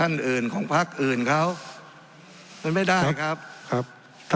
ทั้งสองกรณีผลเอกประยุทธ์